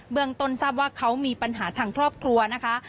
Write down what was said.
เมืองต้นทราบว่าเขามีปัญหาทางครอบครัวนะคะ